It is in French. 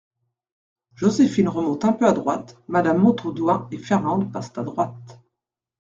Joséphine remonte un peu à droite, madame Montaudoin et Fernande passent à droite.